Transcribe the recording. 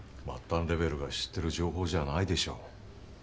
末端レベルが知ってる情報じゃないでしょう。